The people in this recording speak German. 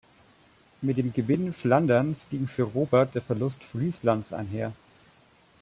Mit dem Gewinn Flanderns ging für Robert der Verlust Frieslands einher.